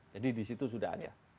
jadi disitu sudah ada